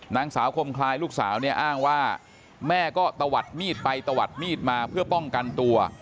นางสาวคมคลายลูกสาวเนี่ยอ้างว่าแม่ก็ตะวัดมีดไปตะวัดมีดมาเพื่อป้องกันตัว